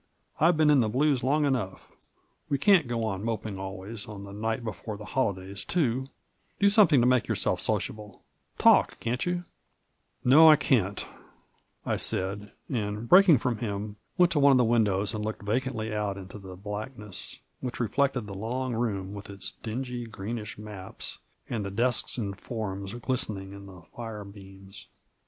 I've been in the blues long enough. "We can't go on moping always, on the night before the holidays, too 1 Do something to make yourself sociable — talk, can't you 1 "" No, I can't," I said, and, breaking from him, went to one of the windows and looked vacantly out into the blackness, which reflected the long room, with its dingy, greenish maps, and the desks and forms glistening in the fire beams.